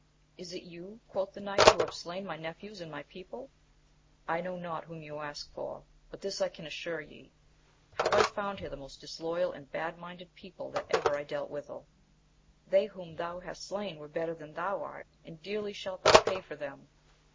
Is it you, quoth the knight, who have slain my nephews and my people 1 — I know not whom you ask for, but this I can assure ye, how I found here the most disloyal and bad minded people that ever I dealt withal. — They whom thou hast slain were better than thou art, and dearly shalt thou pay for them.